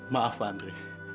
maaf pak andri